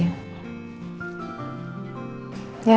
terima kasih ya